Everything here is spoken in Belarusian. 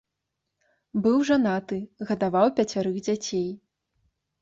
Быў жанаты, гадаваў пяцярых дзяцей.